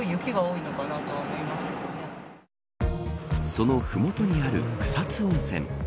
そのふもとにある草津温泉。